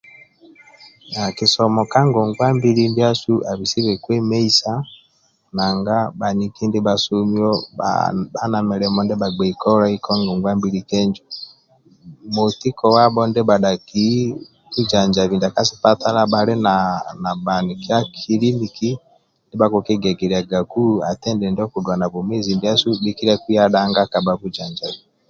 Kisomo ka ngongwa mbili ndiasu abisibe kumeisa nanga bhaniki ndibhasomio bhali na milimo ndia bhagbei kolai ka ngongwa mbili kenjo moti kowabho ndibhadhaki bujanjabi bhali na hanikia kiliniki ati endindi okudulana bhikilia kiya dhanga kabha bujanjabi